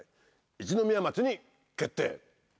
一宮町に決定。